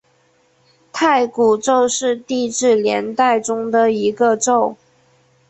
太古宙是地质年代中的一个宙。